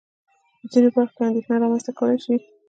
په ځينو برخو کې اندېښنه رامنځته کولای شي.